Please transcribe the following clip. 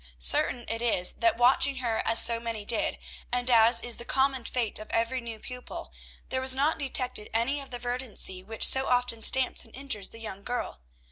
Certain it is, that watching her as so many did, and as is the common fate of every new pupil, there was not detected any of the "verdancy" which so often stamps and injures the young girl.